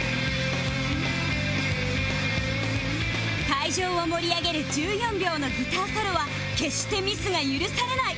会場を盛り上げる１４秒のギターソロは決してミスが許されない